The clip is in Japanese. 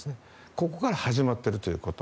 ここから始まっているということ。